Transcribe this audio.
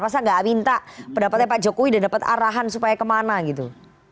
masa nggak minta pendapatnya pak jokowi dan dapat arahan supaya kemana gitu